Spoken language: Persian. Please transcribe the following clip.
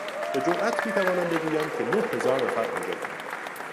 به جرات میتوانم بگویم که نههزار نفر آنجا بودند.